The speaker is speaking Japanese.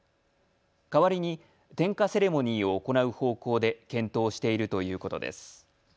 代わりに点火セレモニーを行う方向で検討しているということです。